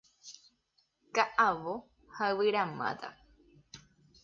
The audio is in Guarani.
Ka'avo ha yvyramáta.